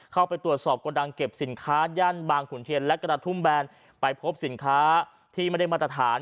เข้าไปตรวจสอบกระดังเก็บสินค้าย่านบางขุนเทียนและกระทุ่มแบนไปพบสินค้าที่ไม่ได้มาตรฐาน